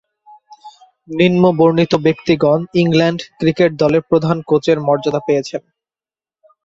নিম্নবর্ণিত ব্যক্তিগণ England cricket দলের প্রধান কোচের মর্যাদা পেয়েছেন।